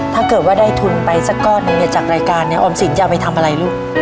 ถ้าเกิดว่าได้ทุนไปสักก้อนหนึ่งเนี่ยจากรายการเนี่ยออมสินจะเอาไปทำอะไรลูก